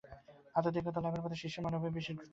আধ্যাত্মিকতা লাভের পথে শিষ্যের মনোভাবই বিশেষ গুরুত্বপূর্ণ।